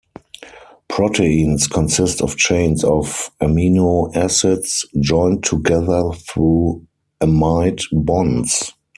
Proteins consist of chains of amino acids joined together through amide bonds.